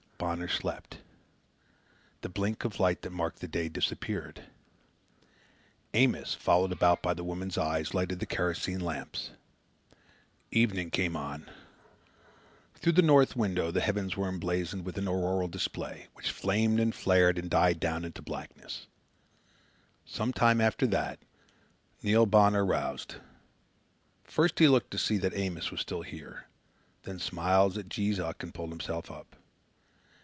Bonner slept. The blink of light that marked the day disappeared. Amos, followed about by the woman's eyes, lighted the kerosene lamps. Evening came on. Through the north window the heavens were emblazoned with an auroral display, which flamed and flared and died down into blackness. Some time after that, Neil Bonner roused. First he looked to see that Amos was still there, then smiled at Jees Uck and pulled himself up.